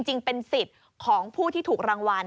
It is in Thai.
จริงเป็นสิทธิ์ของผู้ที่ถูกรางวัล